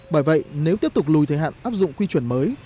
bởi vậy nếu tiếp tục lùi thời hạn áp dụng quy chuẩn mới